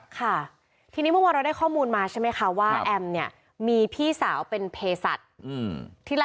ค่ะทีนี้เมื่อวานเราได้ข้อมูลมาใช่ไหมคะว่าแอมเนี่ยมีพี่สาวเป็นเพศัตริย์